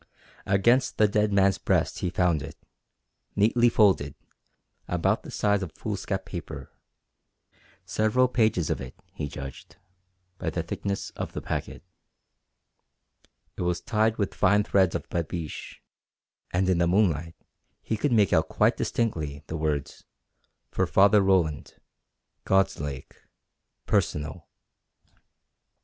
Against the dead man's breast he found it, neatly folded, about the size of foolscap paper several pages of it, he judged, by the thickness of the packet. It was tied with fine threads of babiche, and in the moonlight he could make out quite distinctly the words, "For Father Roland, God's Lake Personal."